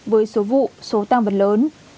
với số vụ số tăng vật lớn